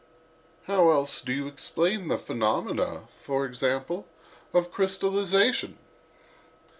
"How else do you explain the phenomena, for example, of crystallization?"